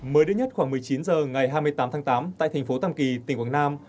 mới đây nhất khoảng một mươi chín h ngày hai mươi tám tháng tám tại thành phố tàm kỳ tỉnh quảng nam